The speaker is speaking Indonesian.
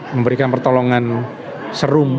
memberikan pertolongan serum